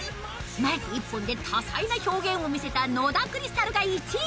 マイク１本で多彩な表現を見せた野田クリスタルが１位に